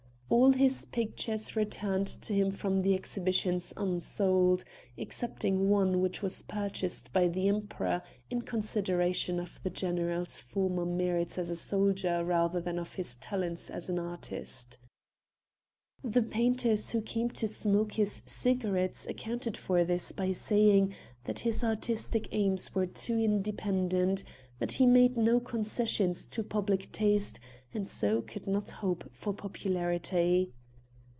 All his pictures returned to him from the exhibitions unsold, excepting one which was purchased by the emperor in consideration of the general's former merits as a soldier rather than of his talents as an artist. The painters who came to smoke his cigarettes accounted for this by saying that his artistic aims were too independent, that he made no concessions to public taste and so could not hope for popularity.